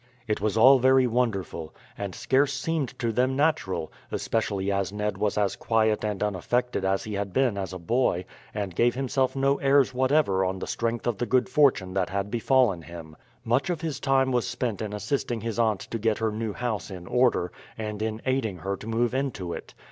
It was all very wonderful, and scarce seemed to them natural, especially as Ned was as quiet and unaffected as he had been as a boy, and gave himself no airs whatever on the strength of the good fortune that had befallen him. Much of his time was spent in assisting his aunt to get her new house in order, and in aiding her to move into it.